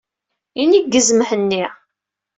Ineggez Mhenni.